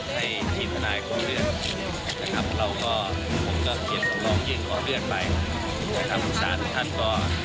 ตอนนี้ประสานมาตอนกี่โมงคะก่อนที่จะตัดสินใจได้จากสาธารณ์ทั้งควร